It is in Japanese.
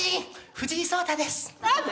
藤井聡太です何で？